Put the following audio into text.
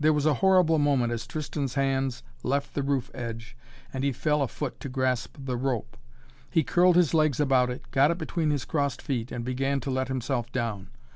There was a horrible moment as Tristan's hands left the roof edge and he fell a foot to grasp the rope. He curled his legs about it, got it between his crossed feet and began to let himself down.